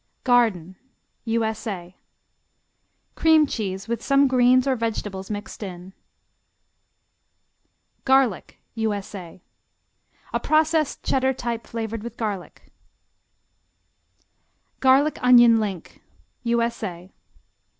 Garden U.S.A. Cream cheese with some greens or vegetables mixed in. Garlic U.S.A. A processed Cheddar type flavored with garlic. Garlic onion Link _U.S.A.